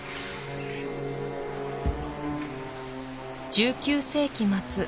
１９世紀末